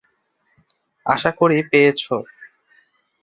আশা করি পেয়েছ।